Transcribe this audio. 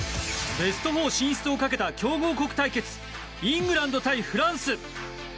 ベスト４進出をかけた強豪国対決イングランド対フランス。